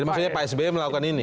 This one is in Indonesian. maksudnya pak sby melakukan ini